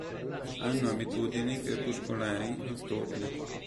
Hanno abitudini crepuscolari-notturne.